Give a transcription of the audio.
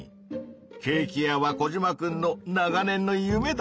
ケーキ屋はコジマくんの長年の夢だったもんねぇ。